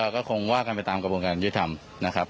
ก็คงว่ากันไปตามกระบวนการยุทธรรมนะครับ